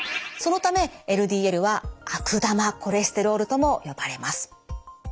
そのためＬＤＬは悪玉コレステロールとも呼ばれます。